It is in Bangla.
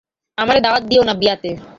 আমারে দাওয়াত দিয়ো না বিয়াতে।